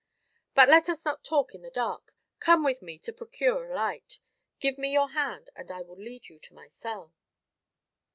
But let us not talk in the dark. Come with me to procure a light. Give me your hand, and I will lead you to my cell."